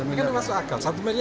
ini masuk akal